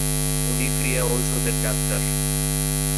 উনি ক্রীড়া ঔষধের ডাক্তার।